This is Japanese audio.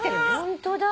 ホントだ。